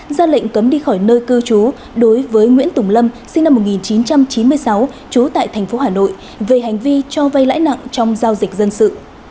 ra lệnh cấm đi khỏi nơi cư chú đối với nguyễn tùng lâm sinh năm một nghìn chín trăm chín mươi sáu chú tại thành phố hà nội về hành vi cho vây lãi nặng trong giao dịch dân sự